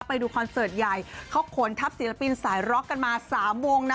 ไปดูคอนเสิร์ตใหญ่เขาขนทัพศิลปินสายร็อกกันมาสามวงนะ